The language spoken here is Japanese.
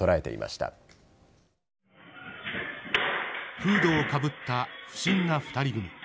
フードをかぶった不審な２人組。